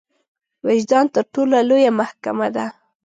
وجدان تر ټولو لويه محکمه ده.